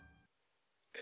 え？